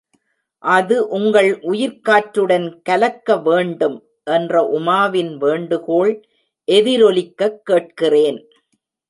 அது உங்கள் உயிர்க் காற்றுடன் கலக்க வேண்டும்! என்ற உமாவின் வேண்டுகோள் எதிரொலிக்கக் கேட்கிறேன்.